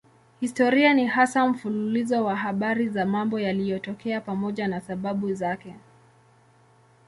Historia ni hasa mfululizo wa habari za mambo yaliyotokea pamoja na sababu zake.